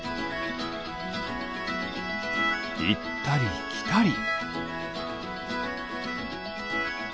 いったりきたり。